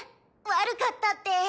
悪かったって。